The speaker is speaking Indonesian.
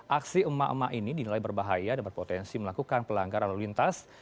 aksi emak emak ini dinilai berbahaya dan berpotensi melakukan pelanggaran lalu lintas